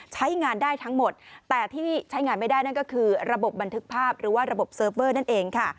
ใช้งานได้ทั้งหมดแต่ที่ใช้งานไม่ได้นั่นก็คือระบบบันทึกภาพหรือว่าระบบเซิร์ฟเวอร์นั่นเองค่ะ